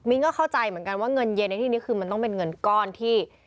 ก็เข้าใจเหมือนกันว่าเงินเย็นในที่นี้คือมันต้องเป็นเงินก้อนที่